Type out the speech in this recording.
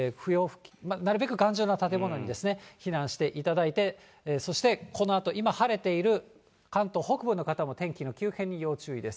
なるべく頑丈な建物に避難していただいて、そして、このあと今晴れている関東北部の方も、天気の急変に要注意です。